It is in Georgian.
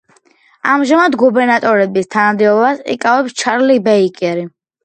ამჟამად, გუბერნატორების თანამდებობას იკავებს ჩარლი ბეიკერი.